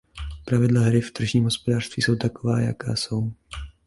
Pravidla hry v tržním hospodářství jsou taková, jaká jsou.